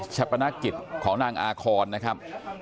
ชัพพนาคิตของนางอาคอนนะครับ